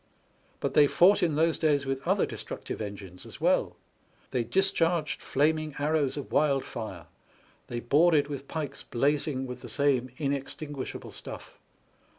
But they fought in those days with other destructive engines as well; they discharged flaming arrows of wildfire ; they boarded with pikes blazing with the same inextinguishable stuflF.